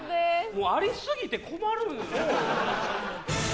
もうあり過ぎて困るんすよ。